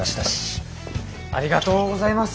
ありがとうございます。